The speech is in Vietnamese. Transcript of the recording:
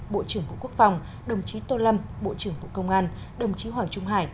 bộ trưởng bộ quốc phòng đồng chí tô lâm bộ trưởng bộ công an đồng chí hoàng trung hải